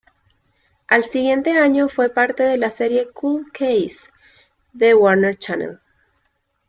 Al siguiente año fue parte de la serie "Cold Case" de Warner Channel.